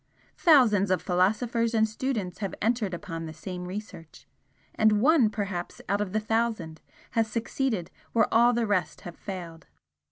Thousands of philosophers and students have entered upon the same research, and one perhaps out of the thousand has succeeded where all the rest have failed.